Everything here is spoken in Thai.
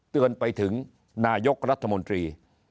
เตือนไปถึงนายกรัฐมนตรี